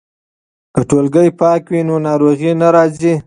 که ټولګې پاکه وي نو ناروغي نه راځي.